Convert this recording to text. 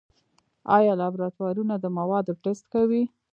آیا لابراتوارونه د موادو ټسټ کوي؟